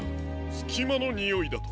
すきまのにおいだと？